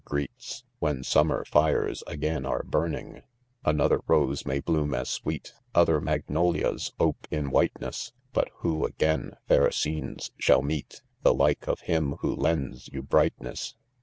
greets, Whe^summer . fires . again • are burning,, Another/' rose' may bloom, as .sweet, Other magnolias ope In Whiteness, — But who again,. fair scenes, shall meet, The like of him who. lends you brightness